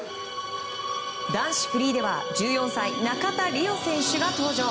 男子フリーでは１４歳、中田璃士選手が登場。